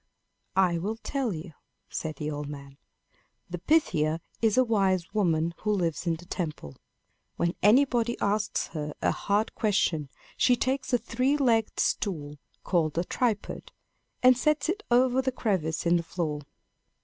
"I will tell you," said the old man. "The Pythia is a wise woman, who lives in the temple. When anybody asks her a hard question, she takes a three legged stool, called a tripod, and sets it over the crevice in the floor.